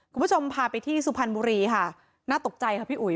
คุณผู้ชมพาไปที่สุพรรณบุรีค่ะน่าตกใจค่ะพี่อุ๋ย